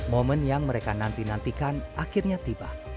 momen yang mereka nanti nantikan akhirnya tiba